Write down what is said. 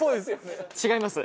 違います。